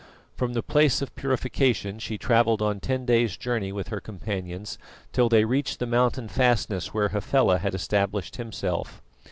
From the Place of Purification she travelled on ten days' journey with her companions till they reached the mountain fastness where Hafela had established himself.